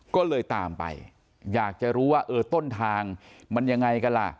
ก็เลยตามไปอยากจะรู้ว่าเออต้นทางมันยังไงกันล่ะ